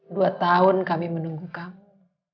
dua tahun kami menunggu kami